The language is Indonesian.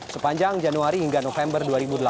sepanjang januari hingga november dua ribu delapan belas